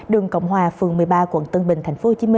đường cộng hòa phường một mươi ba quận tân bình tp hcm